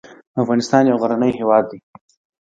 افغانستان يو غرنی هېواد دی